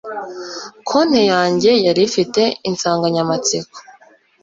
Konte ya nge yarifite insanganyamatsiko